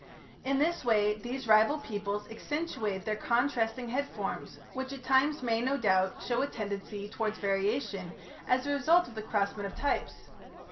In this way these rival peoples accentuate their contrasting head forms, which at times may, no doubt, show a tendency towards variation as a result of the crossment of types.